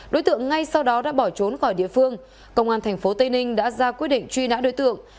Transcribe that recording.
đối tượng ngay sau đó đã bỏ trốn khỏi địa phương công an tp tây ninh đã ra quyết định truy nã đối tượng